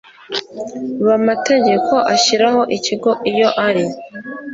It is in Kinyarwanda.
b amategeko ashyiraho ikigo iyo ari